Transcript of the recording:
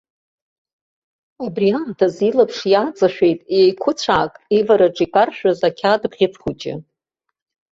Абри аамҭаз илаԥш иааҵашәеит, еиқәыцәаак ивараҿ икаршәыз ақьаад бӷьыц хәыҷы.